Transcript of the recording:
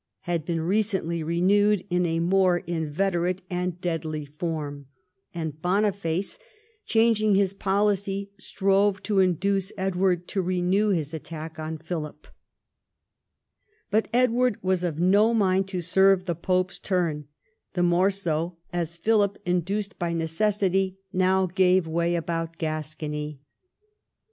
had been recently renewed in a more inveterate and deadly form, and Boniface, changing his policy, strove to induce Edward to renew his attack on Philip. But Edward was of no mind to serve the pope's turn, the more so as Philip, induced by XII THE CONQUEST OF SCOTLAND 211 necessity, now gave way about the Scots.